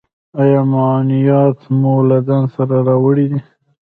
ایا معاینات مو له ځان سره راوړي دي؟